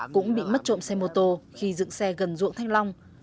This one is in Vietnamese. cũng bị mất trộm xe mô tô khi dựng xe gần ruộng thanh long